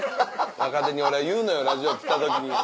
若手に俺は言うのよラジオ来た時に。